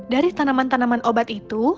dari tanaman tanaman obat itu